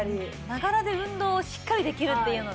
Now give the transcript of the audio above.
ながらで運動をしっかりできるっていうのがね。